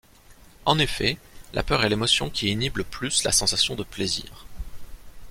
En effet la peur est l'émotion qui inhibe le plus la sensation de plaisir.